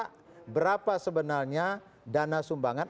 kita berapa sebenarnya dana sumbangan